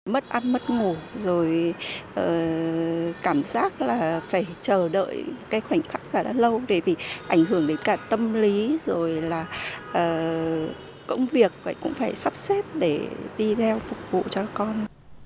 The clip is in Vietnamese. mất ăn mất ngủ rồi cảm giác là phải chờ đợi cái khoảnh khắc giả đã lâu để vì ảnh hưởng đến cả tâm lý rồi là công việc vậy cũng phải sắp xếp để đi theo phục vụ cho con